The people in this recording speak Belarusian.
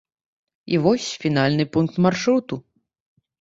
І вось фінальны пункт маршруту.